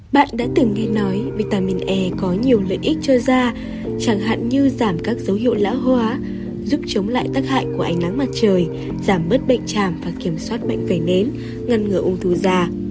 bạn đã từng nghe nói vitamin e có nhiều lợi ích cho da chẳng hạn như giảm các dấu hiệu lão hóa giúp chống lại tác hại của ánh nắng mặt trời giảm bớt bệnh chàm và kiểm soát bệnh vẩy nến ngăn ngừa ung thư da